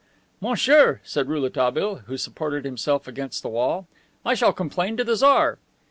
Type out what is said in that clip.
"Monsieur," said Rouletabille, who supported himself against the wall. "I shall complain to the Tsar."